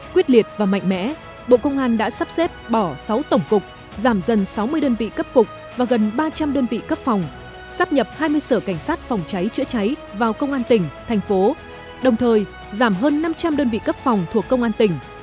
quyết liệt và mạnh mẽ bộ công an đã sắp xếp bỏ sáu tổng cục giảm dần sáu mươi đơn vị cấp cục và gần ba trăm linh đơn vị cấp phòng sắp nhập hai mươi sở cảnh sát phòng cháy chữa cháy vào công an tỉnh thành phố đồng thời giảm hơn năm trăm linh đơn vị cấp phòng thuộc công an tỉnh